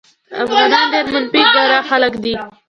افغانان ډېر منفي ګرا خلک دي.